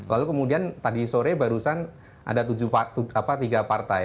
lalu kemudian tadi sore barusan ada tiga partai